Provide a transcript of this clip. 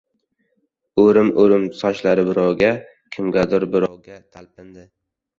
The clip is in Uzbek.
O‘rim-o‘rim sochlari birovga, kimgadir birovga talpindi.